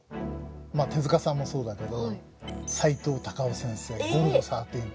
まあ手さんもそうだけどさいとう・たかを先生「ゴルゴ１３」とかね。